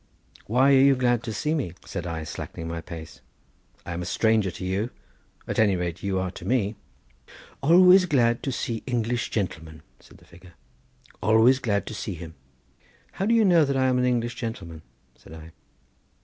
"Why are you glad to see me?" said I, slackening my pace; "I am a stranger to you; at any rate, you are to me." "Always glad to see English gentleman," said the figure; "always glad to see him." "How do you know that I am an English gentleman?" said I.